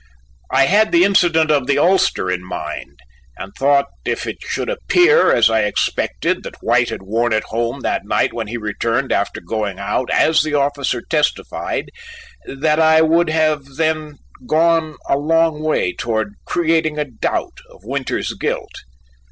I had the incident of the ulster in mind and thought if it should appear, as I expected, that White had worn it home that night when he returned after going out as the officer testified that I would then have gone a long way toward creating a doubt of Winters's guilt.